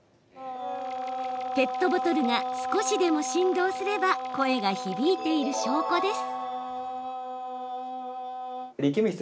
ペットボトルが少しでも振動すれば声が響いている証拠です。